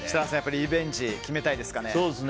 リベンジ決めたいですかね？